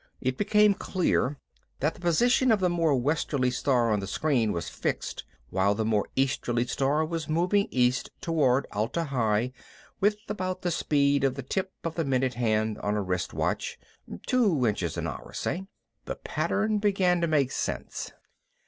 It became clear that the position of the more westerly star on the screen was fixed, while the more easterly star was moving east toward Atla Hi with about the speed of the tip of the minute hand on a wrist watch (two inches an hour, say). The pattern began to make sense.